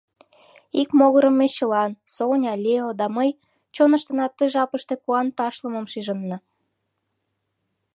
Ик могырым ме чылан – Соня, Лео да мый – чоныштына ты жапыште куан ташлымым шижынна.